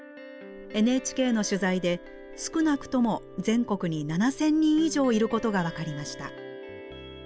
ＮＨＫの取材で少なくとも全国に７，０００人以上いることが分かりました。